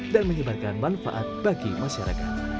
dan menyebarkan manfaat bagi masyarakat